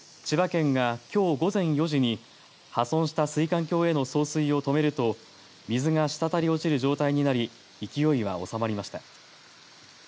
千葉県が、きょう午前４時に破損した水管橋への送水を止めると水がしたたり落ちる状態になり勢いは収まりました。